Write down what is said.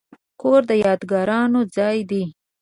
کور د یادګارونو ځای دی.